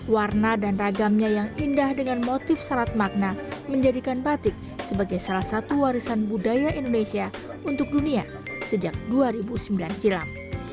warna dan ragamnya yang indah dengan motif sarat makna menjadikan batik sebagai salah satu warisan budaya indonesia untuk dunia sejak dua ribu sembilan silam